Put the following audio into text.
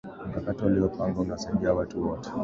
Mkakati waliopanga unasaidia watu wote